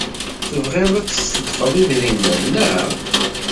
Tebɣiḍ ad tṣeddqeḍ idrimen, naɣ?